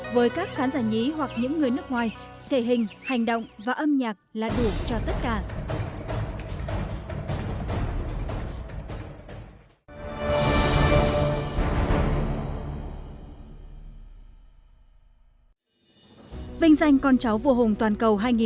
với các khán giả nhí hoặc những người nước ngoài thể hình hành động và âm nhạc là đủ cho tất cả